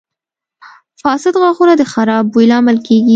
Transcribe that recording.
• فاسد غاښونه د خراب بوی لامل کیږي.